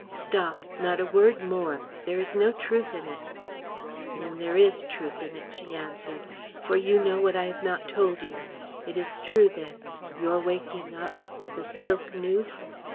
"Stop; not a word more there is no truth in it." "Then there is truth in it," she answered, "for you know what I have not yet told you. It is true, then your waking up the silk noose!